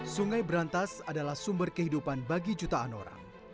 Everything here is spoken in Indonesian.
sungai berantas adalah sumber kehidupan bagi jutaan orang